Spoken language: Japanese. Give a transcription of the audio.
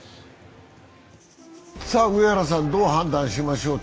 上原さん、どう判断しましょう？